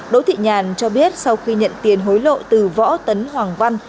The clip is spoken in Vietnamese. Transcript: đỗ thị nhàn cho biết sau khi nhận tiền hối lộ từ võ tấn hoàng văn